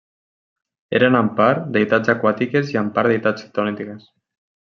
Eren en part, deïtats aquàtiques i en part deïtats ctòniques.